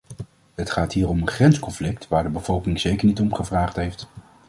Het gaat hier om een grensconflict waar de bevolking zeker niet om gevraagd heeft.